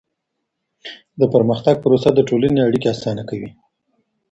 د پرمختګ پروسه د ټولني اړیکي اسانه کوي.